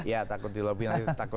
iya takut dilobby